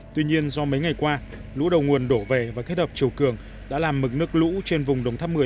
tuy nhiên do mấy ngày qua lũ đầu nguồn đổ về và kết hợp chiều cường đã làm mực nước lũ trên vùng đông tháp người